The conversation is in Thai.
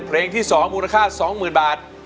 เพลงที่๒มูลค่า๒๐๐๐บาท